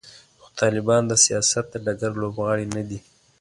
خو طالبان د سیاست د ډګر لوبغاړي نه دي.